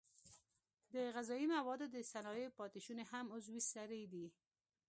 د غذایي موادو د صنایعو پاتې شونې هم عضوي سرې دي.